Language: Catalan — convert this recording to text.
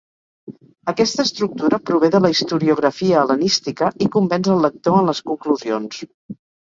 Aquesta estructura prové de la historiografia hel·lenística i convenç el lector en les conclusions.